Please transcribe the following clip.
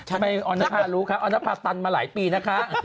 ทำไมออนรัฐะฤาลูคะออนรัฐะฟาตันมาหลายปีนะคะ